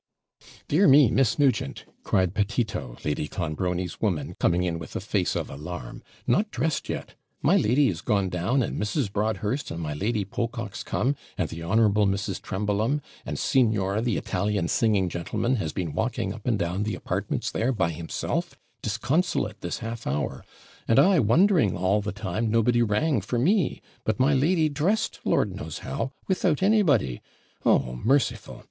'Dear me, Miss Nugent,' cried Petito, Lady Clonbrony's woman, coming in with a face of alarm, 'not dressed yet! My lady is gone down, and Mrs. Broadhurst and my Lady Pococke's come, and the Honourable Mrs. Trembleham; and signor, the Italian singing gentleman, has been walking up and down the apartments there by himself, disconsolate, this half hour, and I wondering all the time nobody rang for me but my lady dressed, Lord knows how! without anybody. Oh, merciful!